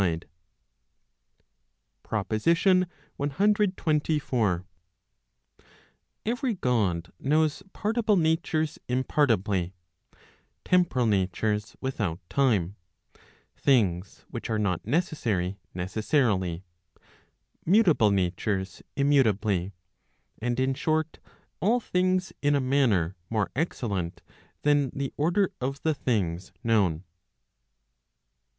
Digitized by Gc>9gle PROP. CXX1V. CXXV. OF THEOLOGY. 385 PROPOSITION CXXIV. Every God knows partible natures irapartibly, temporal natures, without time, things which are'not necessary, necessarily, mutable natures, immutably; and in short, all things in a manner more excellent than the order of the things known.